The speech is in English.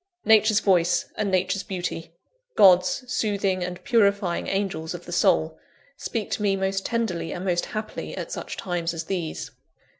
Nature's voice and Nature's beauty God's soothing and purifying angels of the soul speak to me most tenderly and most happily, at such times as these.